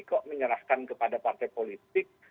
kok menyerahkan kepada partai politik